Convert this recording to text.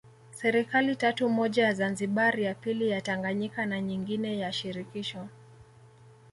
Serikali tatu moja ya Zanzibar ya pili ya Tanganyika na nyingine ya shirikisho